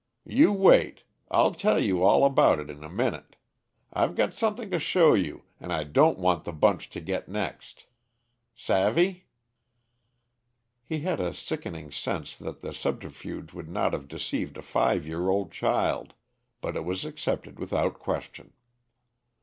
"You wait. I'll tell you all about it in a minute. I've got something to show you, and I don't want the bunch to get next. Savvy?" He had a sickening sense that the subterfuge would not have deceived a five year old child, but it was accepted without question.